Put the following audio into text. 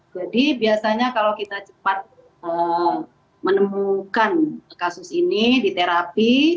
jadi biasanya kalau kita cepat menemukan kasus ini di terapi